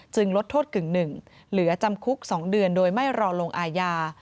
ลดโทษกึ่งหนึ่งเหลือจำคุก๒เดือนโดยไม่รอลงอาญา